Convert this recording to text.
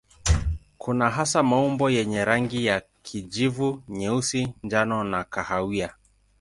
Kuna hasa maumbo yenye rangi za kijivu, nyeusi, njano na kahawia.